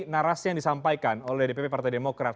narasi yang disampaikan oleh dpp partai demokrat